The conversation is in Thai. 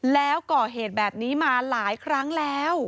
แล้วก่อเหตุแบบนี้มาหลายครั้งแล้ว